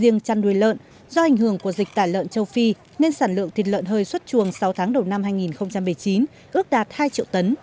riêng chăn nuôi lợn do ảnh hưởng của dịch tả lợn châu phi nên sản lượng thịt lợn hơi xuất chuồng sáu tháng đầu năm hai nghìn một mươi chín ước đạt hai triệu tấn